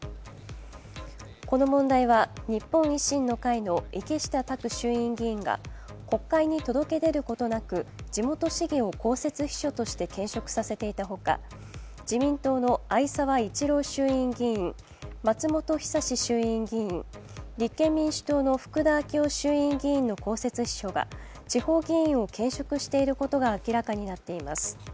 この問題は日本維新の会の池下卓衆議院議員が国会に届け出ることなく地元市議を公設秘書として兼職させていたほか、自民党の逢沢一郎衆院議員、松本尚衆院議員、立憲民主党の福田昭夫衆院議員の公設秘書が地方議員を兼職していることが明らかになっています。